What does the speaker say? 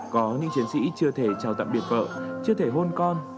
có những chiến sĩ chưa thể chào tạm biệt vợ chưa thể hôn con